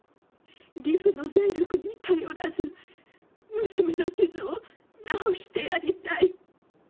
義父の財力に頼らず娘の傷を治してやりたい。